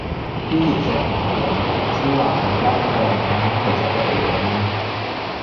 Dodo 姐同我講：子華，你家陣夠紅啦，去執執個樣啦